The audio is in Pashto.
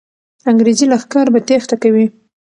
انګریزي لښکر به تېښته کوي.